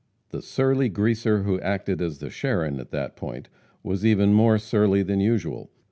The surly "greaser," who acted as the Charon at that point, was even more surly than usual.